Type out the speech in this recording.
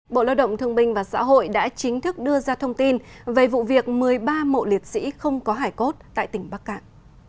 bộ lao động thương minh và xã hội đã chính thức đưa ra thông tin về vụ việc một mươi ba mộ liệt sĩ không có hải cốt tại tỉnh bắc cạn